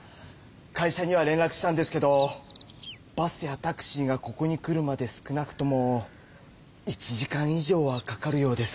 会社には連らくしたんですけどバスやタクシーがここに来るまで少なくとも１時間以上はかかるようです。